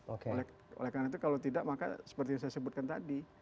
oleh karena itu kalau tidak maka seperti yang saya sebutkan tadi